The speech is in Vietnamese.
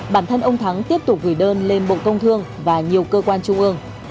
bản thân ông thắng tiếp tục gửi đơn lên bộ công thương và nhiều cơ quan trung ương